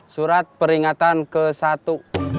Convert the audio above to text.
surat peringatan ke satu